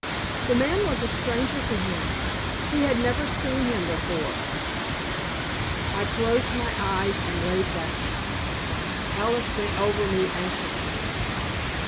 The man was a stranger to him. He had never seen him before." I closed my eyes and laid back. Alice bent over me anxiously.